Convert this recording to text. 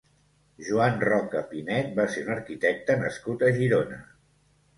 Joan Roca Pinet va ser un arquitecte nascut a Girona.